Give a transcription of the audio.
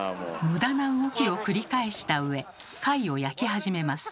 無駄な動きを繰り返したうえ貝を焼き始めます。